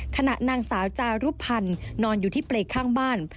ขณะนางสาวจารุพันธ์นอนอยู่ที่เปรย์ข้างบ้าน